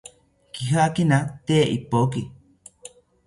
Kijakina tee ipoki